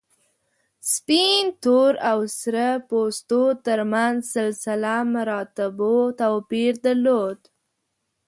سپین، تور او سره پوستو تر منځ سلسله مراتبو توپیر درلود.